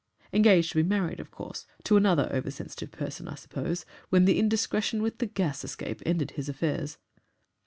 Engaged to be married of course to another over sensitive person, I suppose when the indiscretion with the gas escape ended his affairs.